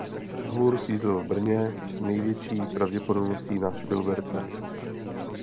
Dvůr sídlil v Brně s největší pravděpodobností na Špilberku.